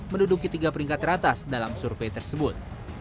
menduduki tiga peringkat teratas dalam survei tersebut